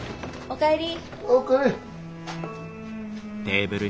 お帰り。